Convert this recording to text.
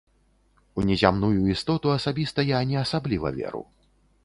У незямную істоту асабіста я не асабліва веру.